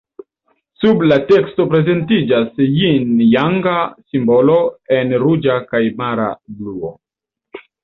Sub la teksto prezentiĝas jin-janga simbolo en ruĝa kaj mara bluo.